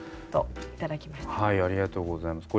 ありがとうございます。